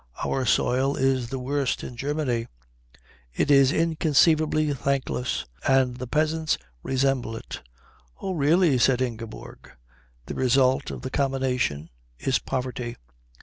Our soil is the worst in Germany. It is inconceivably thankless. And the peasants resemble it." "Oh, really," said Ingeborg. "The result of the combination is poverty."